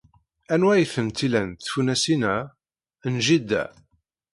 Anwa ay tent-ilan tfunasin-a? N jida.